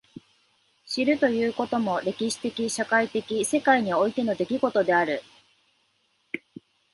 知るということも歴史的社会的世界においての出来事である。